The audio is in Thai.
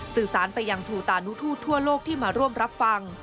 สื่อสารไปยังภูตานุทูตทั่วโลกที่มาร่วมรับฟัง